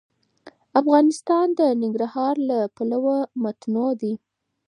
افغانستان د ننګرهار له پلوه متنوع دی.